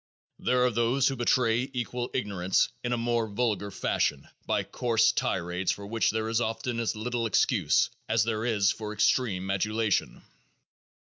There are others who betray equal ignorance in a more vulgar fashion by coarse tirades for which there is often as little excuse as there is for the extreme adulation.